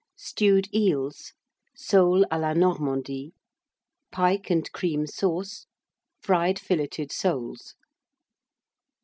Stewed Eels. Soles à la Normandie. Pike and Cream Sauce. Fried Filleted Soles.